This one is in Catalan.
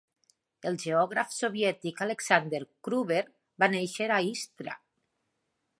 El geògraf soviètic Alexander Kruber va néixer a Istra.